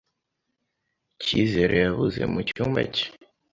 Cyizere yabuze mu cyumba cye.